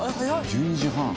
１２時半。